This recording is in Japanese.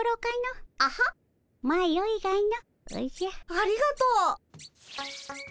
ありがとう。